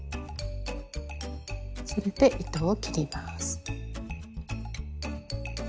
それで糸を切ります。